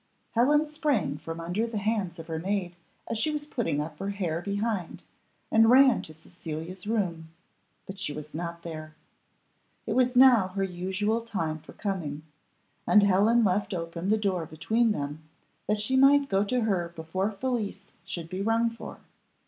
Helen sprang from under the hands of her maid as she was putting up her hair behind, and ran to Cecilia's dressing room, but she was not there. It was now her usual time for coming, and Helen left open the door between them, that she might go to her before Felicie should be rung for.